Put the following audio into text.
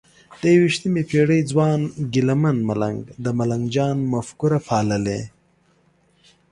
د یویشتمې پېړۍ ځوان ګیله من ملنګ د ملنګ جان مفکوره پاللې؟